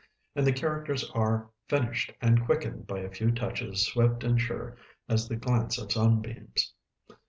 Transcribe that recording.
And the characters are "finished and quickened by a few touches swift and sure as the glance of sunbeams."